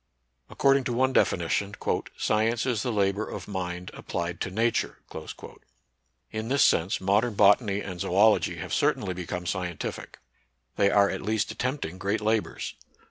According to one definition, "Science is the labor of mind applied to Nature." In this sense, modern bot any and zoology have certainly become scien tific. They are at least attempting great labors.